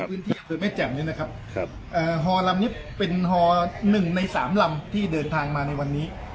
พื้นที่อำเภอแม่แจ่มนี้นะครับฮอลำนี้เป็นฮอหนึ่งในสามลำที่เดินทางมาในวันนี้